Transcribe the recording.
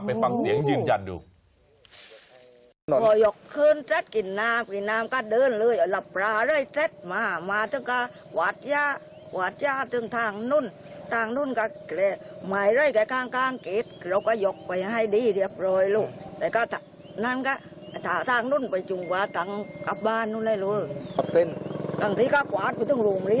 ไปฟังเสียงจริงจันทร์ดู